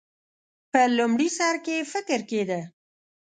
په لومړي سر کې فکر کېده.